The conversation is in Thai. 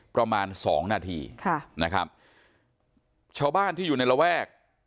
ประมาณสองนาทีค่ะนะครับชาวบ้านที่อยู่ในระแวก